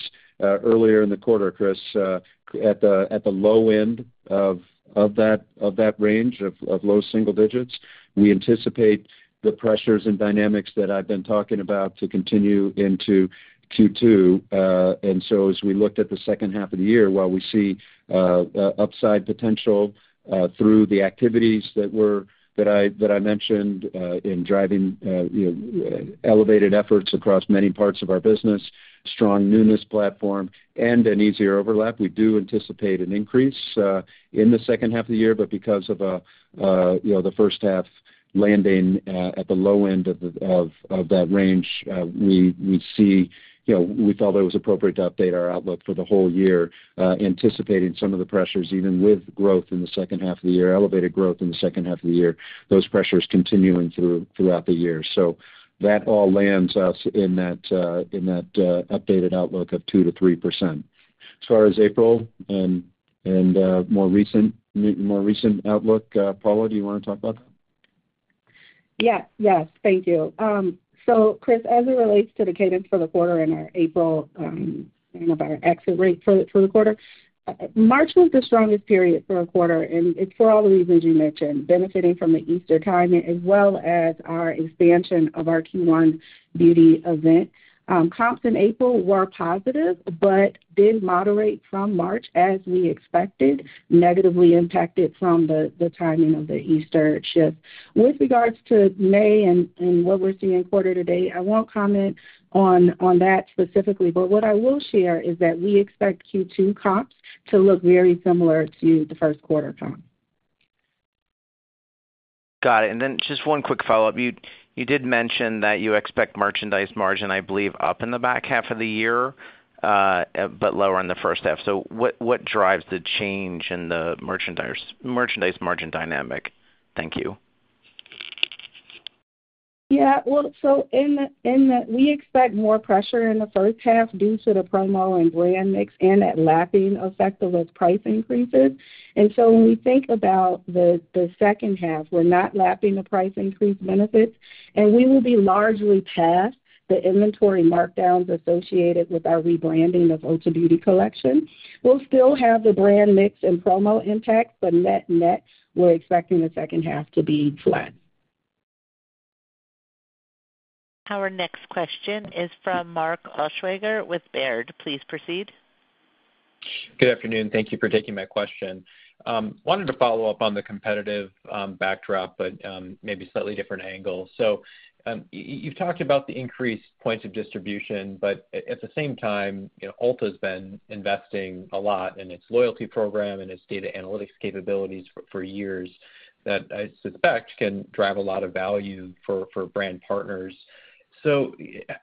earlier in the quarter, Chris, at the low end of that range of low single digits. We anticipate the pressures and dynamics that I've been talking about to continue into Q2. And so as we looked at the second half of the year, while we see upside potential through the activities that I mentioned in driving you know elevated efforts across many parts of our business, strong newness platform, and an easier overlap, we do anticipate an increase in the second half of the year. But because of you know the first half landing at the low end of that range, we see... You know, we thought it was appropriate to update our outlook for the whole year, anticipating some of the pressures, even with growth in the second half of the year, elevated growth in the second half of the year, those pressures continuing throughout the year. So that all lands us in that, in that, updated outlook of 2%-3%. As far as April, and, more recent, more recent outlook. Paula, do you want to talk about that? Yes. Yes, thank you. So Chris, as it relates to the cadence for the quarter and our April, you know, our exit rate for the quarter, March was the strongest period for a quarter, and it's for all the reasons you mentioned, benefiting from the Easter timing, as well as our expansion of our Q1 beauty event. Comps in April were positive, but did moderate from March, as we expected, negatively impacted from the timing of the Easter shift. With regards to May and what we're seeing in quarter to date, I won't comment on that specifically, but what I will share is that we expect Q2 comps to look very similar to the first quarter time. Got it, and then just one quick follow-up. You did mention that you expect Merchandise Margin, I believe, up in the back half of the year, but lower in the first half. So what drives the change in the Merchandise Margin dynamic? Thank you. Yeah. Well, so we expect more pressure in the first half due to the promo and brand mix and that lapping effect of those price increases. And so when we think about the second half, we're not lapping the price increase benefits, and we will be largely past the inventory markdowns associated with our rebranding of Ulta Beauty Collection. We'll still have the brand mix and promo impact, but net, net, we're expecting the second half to be flat. Our next question is from Mark Altschwager with Baird. Please proceed. Good afternoon. Thank you for taking my question. Wanted to follow up on the competitive backdrop, but maybe slightly different angle. So, you've talked about the increased points of distribution, but at the same time, you know, Ulta's been investing a lot in its loyalty program and its data analytics capabilities for years, that I suspect can drive a lot of value for brand partners. So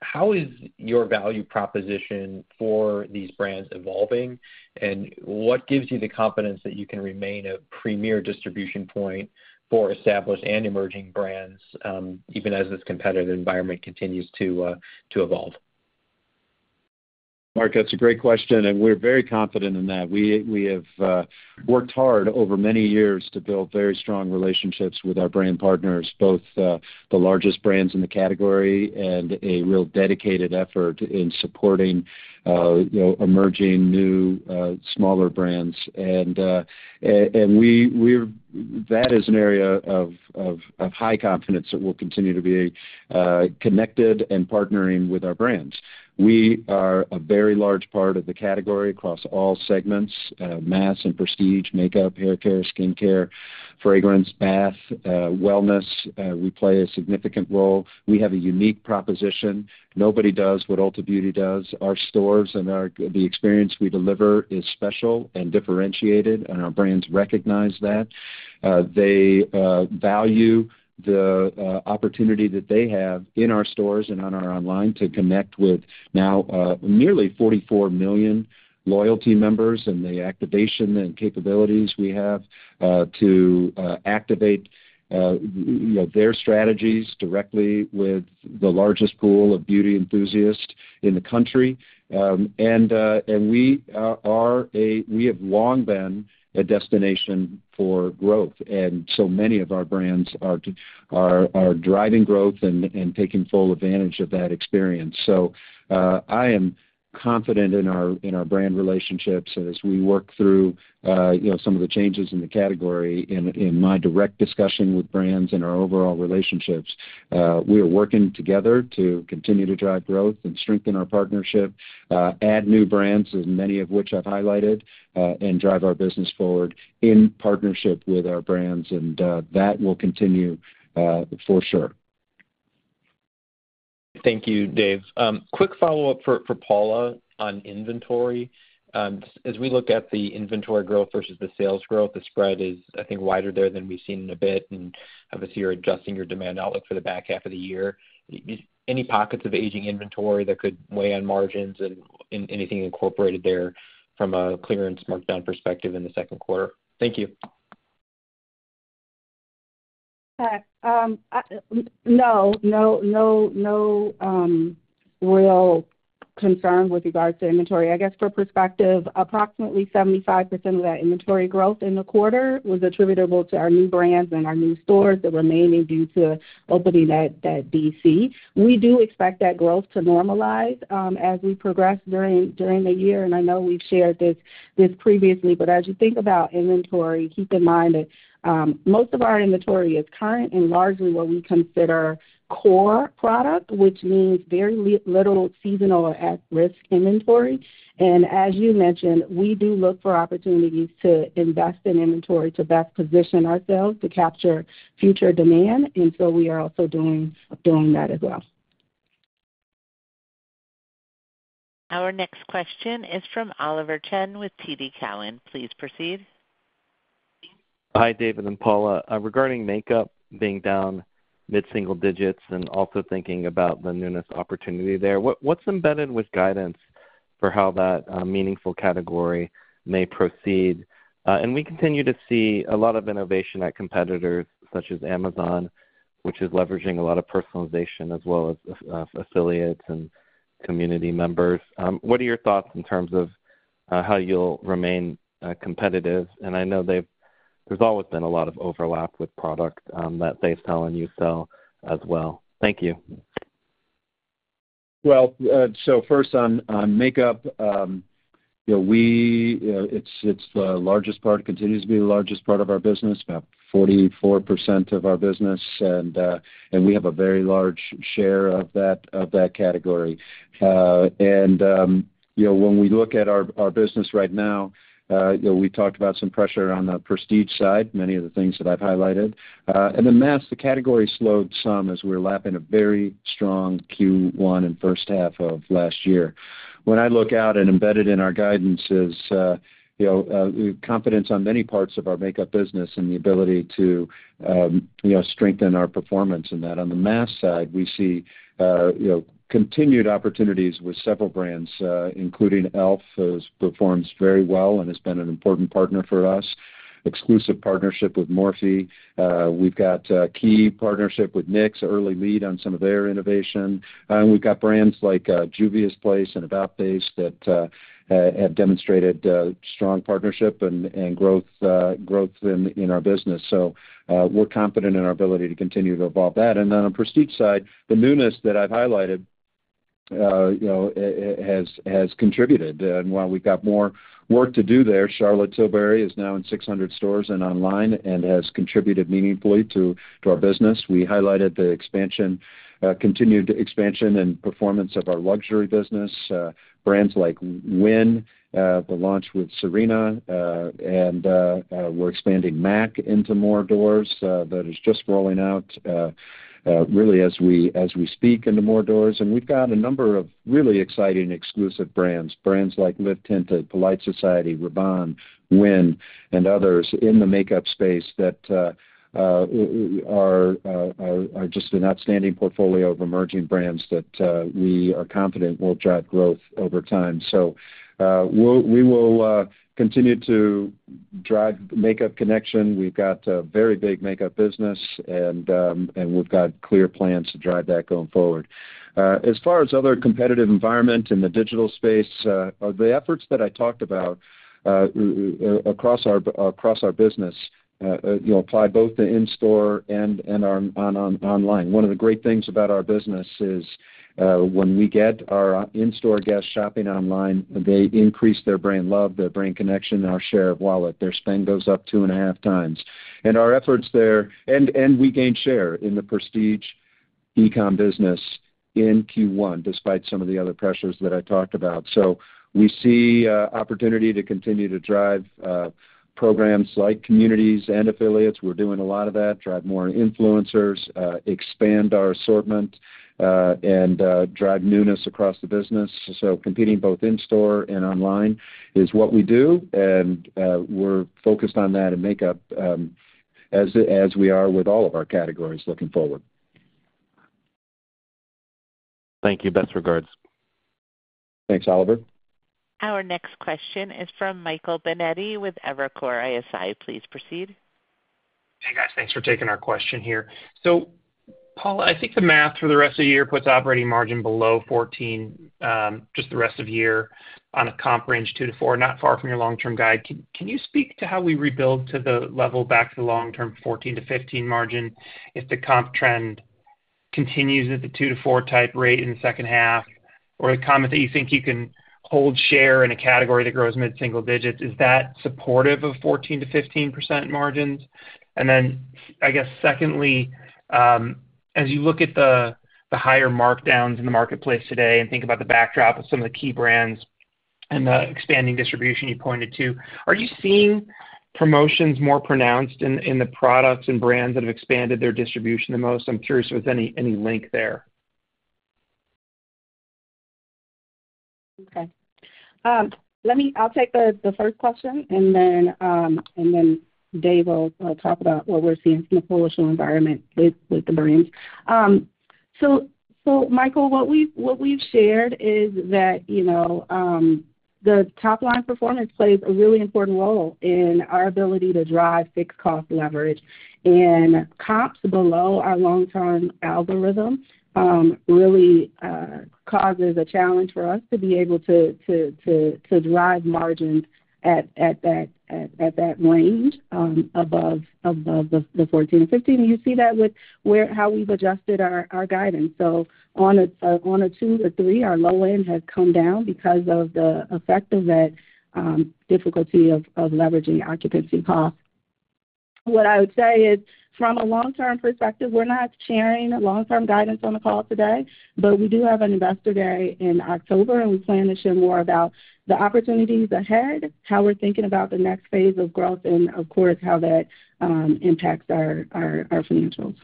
how is your value proposition for these brands evolving? And what gives you the confidence that you can remain a premier distribution point for established and emerging brands, even as this competitive environment continues to evolve? Mark, that's a great question, and we're very confident in that. We have worked hard over many years to build very strong relationships with our brand partners, both the largest brands in the category and a real dedicated effort in supporting you know emerging new smaller brands. And that is an area of high confidence that we'll continue to be connected and partnering with our brands. We are a very large part of the category across all segments, mass and prestige, makeup, haircare, skincare, fragrance, bath, wellness. We play a significant role. We have a unique proposition. Nobody does what Ulta Beauty does. Our stores and the experience we deliver is special and differentiated, and our brands recognize that. They value the opportunity that they have in our stores and on our online to connect with now nearly 44 million loyalty members and the activation and capabilities we have to activate, you know, their strategies directly with the largest pool of beauty enthusiasts in the country. And we have long been a destination for growth, and so many of our brands are driving growth and taking full advantage of that experience. So I am confident in our brand relationships. As we work through, you know, some of the changes in the category, in my direct discussion with brands and our overall relationships, we are working together to continue to drive growth and strengthen our partnership, add new brands, as many of which I've highlighted, and drive our business forward in partnership with our brands, and that will continue, for sure. Thank you, Dave. Quick follow-up for Paula on inventory. As we look at the inventory growth versus the sales growth, the spread is, I think, wider there than we've seen in a bit, and obviously, you're adjusting your demand outlook for the back half of the year. Any pockets of aging inventory that could weigh on margins and anything incorporated there from a clearance markdown perspective in the second quarter? Thank you. No. No, no, no real concern with regards to inventory. I guess from perspective, approximately 75% of that inventory growth in the quarter was attributable to our new brands and our new stores, the remaining due to opening that DC. We do expect that growth to normalize as we progress during the year. I know we've shared this previously, but as you think about inventory, keep in mind that most of our inventory is current and largely what we consider core product, which means very little seasonal at-risk inventory. As you mentioned, we do look for opportunities to invest in inventory to best position ourselves to capture future demand, and so we are also doing that as well. Our next question is from Oliver Chen with TD Cowen. Please proceed. Hi, Dave and Paula. Regarding makeup being down mid-single digits and also thinking about the newness opportunity there, what, what's embedded with guidance for how that meaningful category may proceed? And we continue to see a lot of innovation at competitors such as Amazon, which is leveraging a lot of personalization as well as, as, affiliates and-community members. What are your thoughts in terms of how you'll remain competitive? And I know there's always been a lot of overlap with product that they sell and you sell as well. Thank you. Well, so first, on makeup, you know, it's the largest part, continues to be the largest part of our business, about 44% of our business, and we have a very large share of that category. And you know, when we look at our business right now, you know, we talked about some pressure on the prestige side, many of the things that I've highlighted. And then mass, the category slowed some as we're lapping a very strong Q1 and first half of last year. When I look out and embedded in our guidance is, you know, confidence on many parts of our makeup business and the ability to, you know, strengthen our performance in that. On the mass side, we see, you know, continued opportunities with several brands, including e.l.f., has performed very well and has been an important partner for us, exclusive partnership with Morphe. We've got a key partnership with NYX, early lead on some of their innovation, and we've got brands like Juvia's Place and About-Face that have demonstrated strong partnership and growth in our business. So, we're confident in our ability to continue to evolve that. And then on prestige side, the newness that I've highlighted, you know, has contributed. And while we've got more work to do there, Charlotte Tilbury is now in 600 stores and online and has contributed meaningfully to our business. We highlighted the expansion, continued expansion and performance of our luxury business, brands like WYN, the launch with Serena, and we're expanding MAC into more doors, that is just rolling out, really as we speak, into more doors. And we've got a number of really exciting exclusive brands, brands like Live Tinted, Polite Society, Rabanne, WYN, and others in the makeup space that are just an outstanding portfolio of emerging brands that we are confident will drive growth over time. So, we will continue to drive makeup connection. We've got a very big makeup business, and we've got clear plans to drive that going forward. As far as other competitive environment in the digital space, the efforts that I talked about across our business, you know, apply both to in-store and online. One of the great things about our business is, when we get our in-store guests shopping online, they increase their brand love, their brand connection, and our share of wallet. Their spend goes up 2.5 times. And our efforts there and we gain share in the prestige e-com business in Q1, despite some of the other pressures that I talked about. So we see opportunity to continue to drive programs like communities and affiliates. We're doing a lot of that, drive more influencers, expand our assortment, and drive newness across the business. So competing both in store and online is what we do, and we're focused on that in makeup, as we are with all of our categories looking forward. Thank you. Best regards. Thanks, Oliver. Our next question is from Michael Binetti with Evercore ISI. Please proceed. Hey, guys. Thanks for taking our question here. So Paula, I think the math for the rest of the year puts operating margin below 14, just the rest of year on a comp range 2-4, not far from your long-term guide. Can you speak to how we rebuild to the level back to the long-term 14%-15% margin if the comp trend continues at the 2-4 type rate in the second half, or a comment that you think you can hold share in a category that grows mid-single digits, is that supportive of 14%-15% margins? And then, I guess, secondly, as you look at the higher markdowns in the marketplace today and think about the backdrop of some of the key brands and the expanding distribution you pointed to, are you seeing promotions more pronounced in the products and brands that have expanded their distribution the most? I'm curious if there's any link there. Okay, let me. I'll take the first question, and then Dave will talk about what we're seeing from the promotional environment with the brands. So, Michael, what we've shared is that, you know, the top-line performance plays a really important role in our ability to drive fixed cost leverage. And comps below our long-term algorithm really causes a challenge for us to be able to drive margins at that range above the 14 and 15. You see that with how we've adjusted our guidance. So on a 2-3, our low end has come down because of the effect of that difficulty of leveraging occupancy costs. What I would say is, from a long-term perspective, we're not sharing long-term guidance on the call today, but we do have an investor day in October, and we plan to share more about the opportunities ahead, how we're thinking about the next phase of growth, and of course, how that impacts our financials.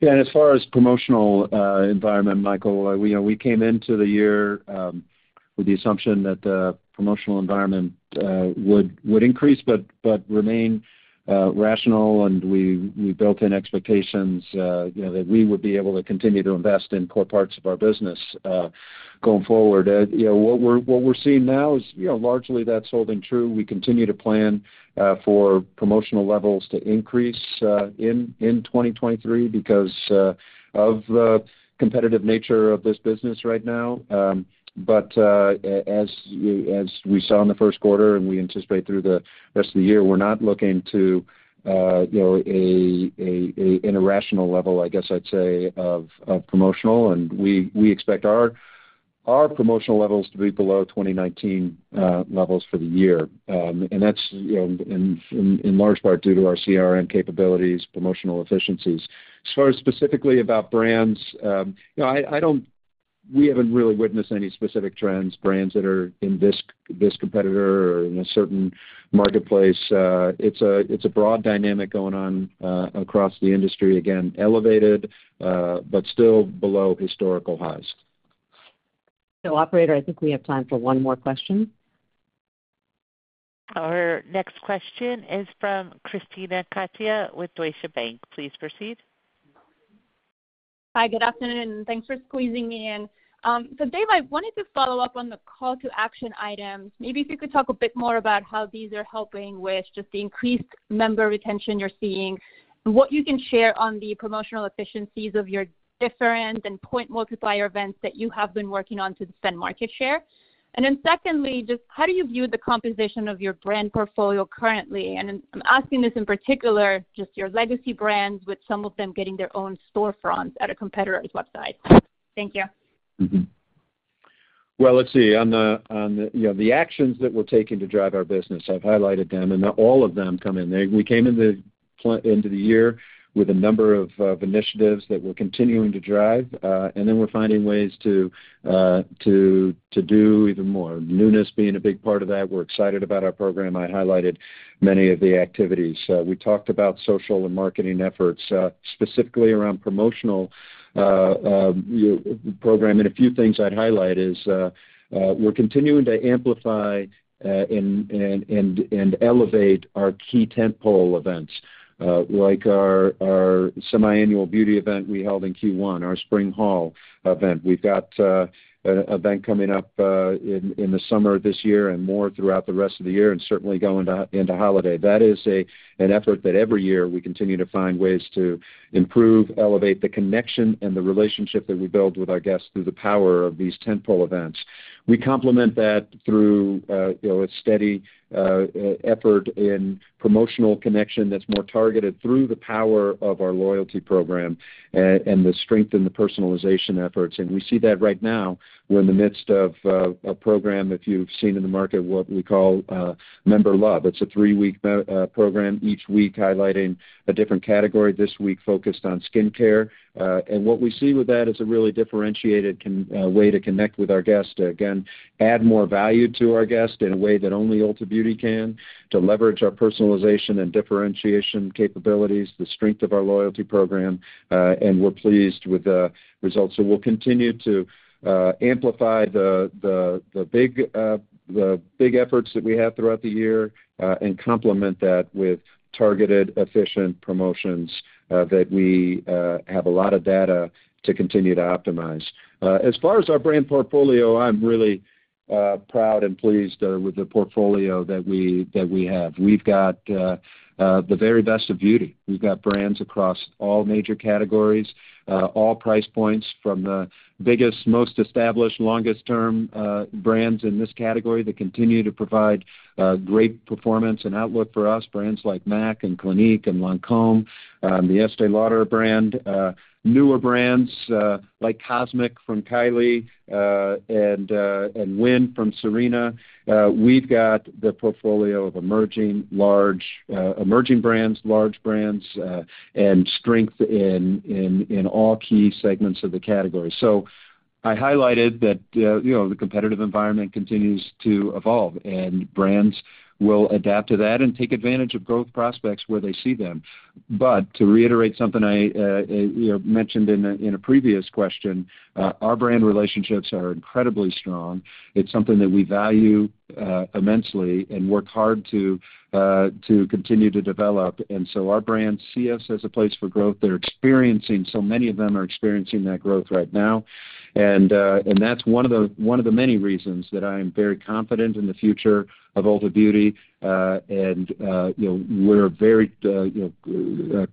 Yeah, and as far as promotional environment, Michael, we know we came into the year with the assumption that the promotional environment would increase, but remain rational. And we built in expectations, you know, that we would be able to continue to invest in core parts of our business going forward. You know, what we're seeing now is, you know, largely that's holding true. We continue to plan for promotional levels to increase in 2023 because of the competitive nature of this business right now. But as we saw in the first quarter and we anticipate through the rest of the year, we're not looking to, you know, an irrational level, I guess I'd say, of promotional. We expect our promotional levels to be below 2019 levels for the year. And that's, you know, in large part due to our CRM capabilities, promotional efficiencies. As far as specifically about brands, you know, I don't. We haven't really witnessed any specific trends, brands that are in this competitor or in a certain marketplace. It's a broad dynamic going on across the industry. Again, elevated, but still below historical highs. Operator, I think we have time for one more question. Our next question is from Krisztina Katai with Deutsche Bank. Please proceed. Hi, good afternoon, and thanks for squeezing me in. So Dave, I wanted to follow up on the call to action items. Maybe if you could talk a bit more about how these are helping with just the increased member retention you're seeing, and what you can share on the promotional efficiencies of your different and point multiplier events that you have been working on to defend market share. And then secondly, just how do you view the composition of your brand portfolio currently? And I'm asking this in particular, just your legacy brands, with some of them getting their own storefront at a competitor's website. Thank you. Well, let's see. On the, you know, the actions that we're taking to drive our business, I've highlighted them, and not all of them come in. We came into the year with a number of initiatives that we're continuing to drive, and then we're finding ways to do even more. Newness being a big part of that. We're excited about our program. I highlighted many of the activities. We talked about social and marketing efforts, specifically around promotional program. And a few things I'd highlight is, we're continuing to amplify and elevate our key tentpole events, like our Semi-Annual Beauty Event we held in Q1, our Spring Haul Event. We've got an event coming up in the summer this year and more throughout the rest of the year and certainly go into holiday. That is an effort that every year we continue to find ways to improve, elevate the connection and the relationship that we build with our guests through the power of these tentpole events. We complement that through you know, a steady effort in promotional connection that's more targeted through the power of our loyalty program and the strength in the personalization efforts. And we see that right now, we're in the midst of a program, if you've seen in the market, what we call Member Love. It's a three-week program, each week highlighting a different category, this week focused on skincare. And what we see with that is a really differentiated way to connect with our guests. To again add more value to our guests in a way that only Ulta Beauty can, to leverage our personalization and differentiation capabilities, the strength of our loyalty program, and we're pleased with the results. So we'll continue to amplify the big efforts that we have throughout the year and complement that with targeted, efficient promotions that we have a lot of data to continue to optimize. As far as our brand portfolio, I'm really proud and pleased with the portfolio that we have. We've got the very best of beauty. We've got brands across all major categories, all price points from the biggest, most established, longest term, brands in this category that continue to provide, great performance and outlook for us. Brands like MAC and Clinique and Lancôme, the Estée Lauder brand, newer brands, like Cosmic from Kylie, and, and WYN from Serena. We've got the portfolio of emerging, large, emerging brands, large brands, and strength in all key segments of the category. So I highlighted that, you know, the competitive environment continues to evolve, and brands will adapt to that and take advantage of growth prospects where they see them. But to reiterate something I, you know, mentioned in a previous question, our brand relationships are incredibly strong. It's something that we value immensely and work hard to continue to develop. And so our brands see us as a place for growth. They're experiencing... So many of them are experiencing that growth right now. And that's one of the many reasons that I am very confident in the future of Ulta Beauty. And you know, we're very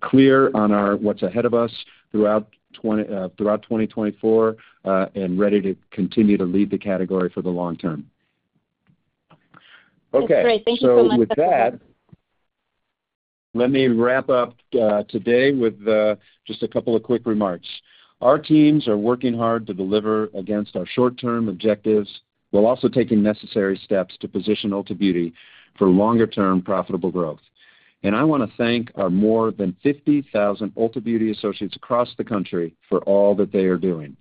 clear on what's ahead of us throughout 2024, and ready to continue to lead the category for the long term. Okay. That's great. Thank you so much. So with that, let me wrap up today with just a couple of quick remarks. Our teams are working hard to deliver against our short-term objectives, while also taking necessary steps to position Ulta Beauty for longer-term profitable growth. And I wanna thank our more than 50,000 Ulta Beauty associates across the country for all that they are doing.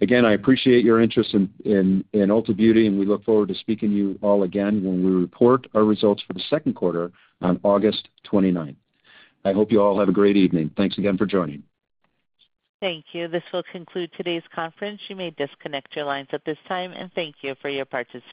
Again, I appreciate your interest in Ulta Beauty, and we look forward to speaking to you all again when we report our results for the second quarter on August 29. I hope you all have a great evening. Thanks again for joining. Thank you. This will conclude today's conference. You may disconnect your lines at this time, and thank you for your participation.